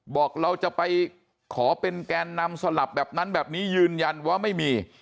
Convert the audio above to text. บอกเราจะไปขอเป็นแกนนำสลับแบบนั้นแบบนี้ยืนยันว่าไม่มี